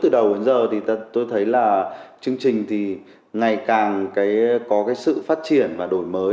theo chương trình suốt từ đầu đến giờ thì tôi thấy là chương trình thì ngày càng có sự phát triển và đổi mới